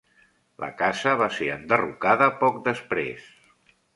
La casa va ser enderrocada poc després.